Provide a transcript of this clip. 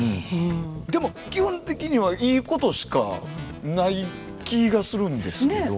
でも基本的にはいいことしかない気がするんですけど。